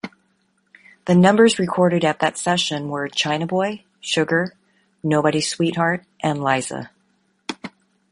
The numbers recorded at that session were "China Boy", "Sugar", "Nobody's Sweetheart", and "Liza".